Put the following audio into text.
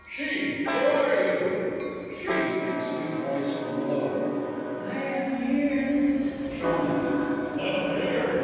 She where are you? SHE (in a full sweet voice from below). I am 'ere! SHOWMAN. Then appear!